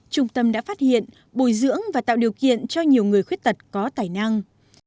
trung tâm đã phát hiện bồi dưỡng và tạo điều kiện cho nhiều người khuyết tật có tài năng